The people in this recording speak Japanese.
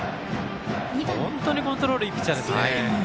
本当にコントロールがいいピッチャーですね。